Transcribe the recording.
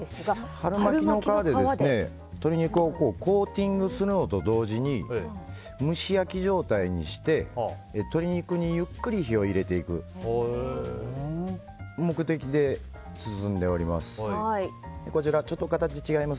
春巻きの皮で鶏肉をコーティングするのと同時に蒸し焼き状態にして鶏肉にゆっくり火を入れていく目的で包んでおります。